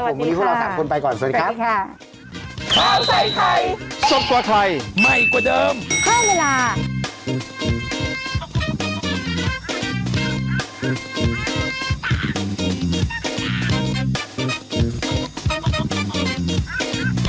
ค่ะสวัสดีค่ะสวัสดีครับวันนี้พวกเรา๓คนไปก่อนสวัสดีครับ